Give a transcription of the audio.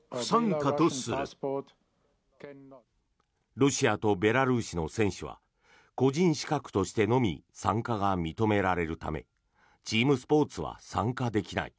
ロシアとベラルーシの選手は個人資格としてのみ参加が認められるためチームスポーツは参加できない。